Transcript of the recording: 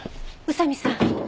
宇佐見さん。